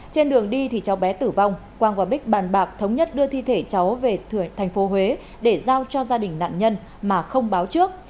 trên đường đi thì cháu bé tử vong quang và bích bàn bạc thống nhất đưa thi thể cháu về tp huế để giao cho gia đình nạn nhân mà không báo trước